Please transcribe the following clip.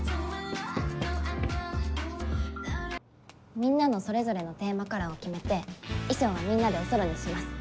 みんなのそれぞれのテーマカラーを決めて衣装はみんなでオソロにします。